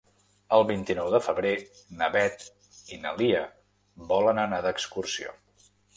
El vint-i-nou de febrer na Beth i na Lia volen anar d'excursió.